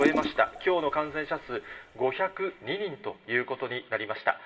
きょうの感染者数、５０２人ということになりました。